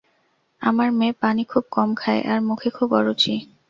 আমার মেয়ে পানি খুব কম খায় আর মুখে খুব অরুচি।